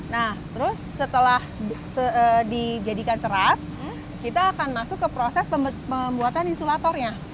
nah terus setelah dijadikan serat kita akan masuk ke proses pembuatan insulatornya